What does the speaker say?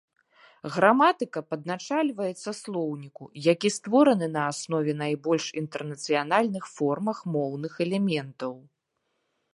Граматыка падначальваецца слоўніку, які створаны на аснове найбольш інтэрнацыянальных формах моўных элементаў.